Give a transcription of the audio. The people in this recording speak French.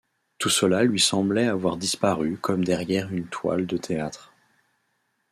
Tout cela lui semblait avoir disparu comme derrière une toile de théâtre.